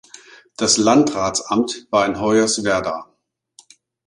Das Landratsamt war in Hoyerswerda.